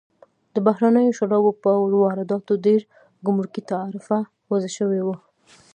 د بهرنیو شرابو پر وارداتو ډېر ګمرکي تعرفه وضع شوې وه.